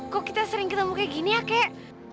kok kita sering ketemu kayak gini ya kek